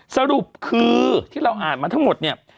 สรุปคือที่เราอ่านมาทั้งหมดเนี่ย